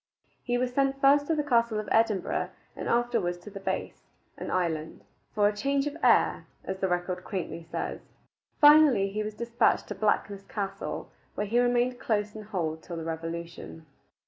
He was sent first to the castle of Edinburgh and afterward to the Bass (an island), "for a change of air," as the record quaintly says. Finally, he was despatched to Blackness Castle, where he remained close in hold till the revolution.